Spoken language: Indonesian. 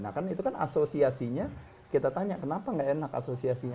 nah kan itu kan asosiasinya kita tanya kenapa gak enak asosiasinya